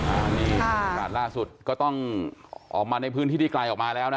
อันนี้บรรยากาศล่าสุดก็ต้องออกมาในพื้นที่ที่ไกลออกมาแล้วนะ